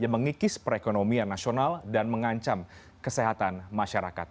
dan mengicis perekonomian nasional dan mengancam kesehatan masyarakat